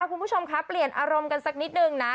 คุณผู้ชมคะเปลี่ยนอารมณ์กันสักนิดนึงนะ